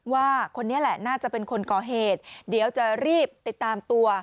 ว่าคนนี้แหละน่าจะเป็นคนก่อเหตุเดี๋ยวจะรีบติดตามตัว